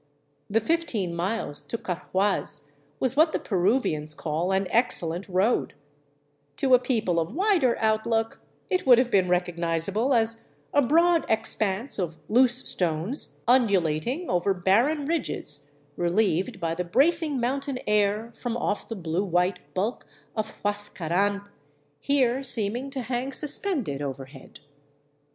The fifteen miles to Carhuaz was what the Peruvians call an excellent road ; to a people of wider outlook it would have been recognizable as a broad expanse of loose stones undulating over barren ridges, relieved by the bracing mountain air from off the blue white bulk of Huascaran, here seeming to hang suspended over head.